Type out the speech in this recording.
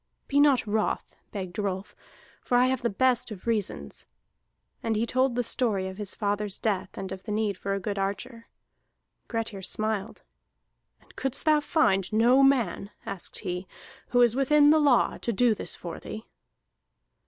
"Be not wroth," begged Rolf, "for I have the best of reasons." And he told the story of his father's death and of the need for a good archer. Grettir smiled. "And couldst thou find no man," asked he, "who is within the law, to do this for thee?"